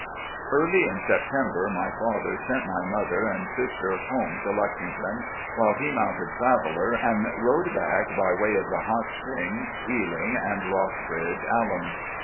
Early in September my father sent my mother and sis ter home to Lexington, while he mounted Traveller and rode back by way of the Hot Springs, Healing, and Rock bridge Ahtm.